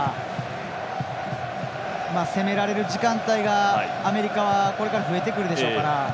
攻められる時間帯がアメリカはこれから増えてくるでしょうから。